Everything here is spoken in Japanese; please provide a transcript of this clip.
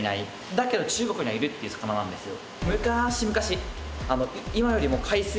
「だけど中国にはいるっていう魚なんですよ」